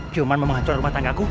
cuman mau menghancur rumah tangga ku